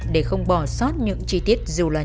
để không bỏ xót những chi tiết dù lạc